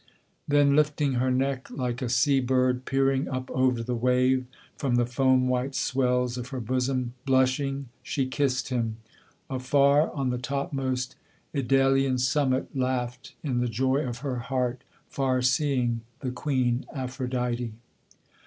Then lifting her neck, like a sea bird Peering up over the wave, from the foam white swells of her bosom, Blushing she kissed him: afar, on the topmost Idalian summit Laughed in the joy of her heart, far seeing, the queen Aphrodite.